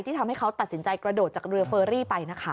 ทำให้เขาตัดสินใจกระโดดจากเรือเฟอรี่ไปนะคะ